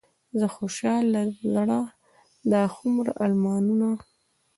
زه خوشحال د زړه دا هومره المونه.